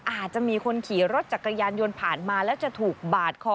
อาจจะมีคนขี่รถจักรยานยนต์ผ่านมาแล้วจะถูกบาดคอ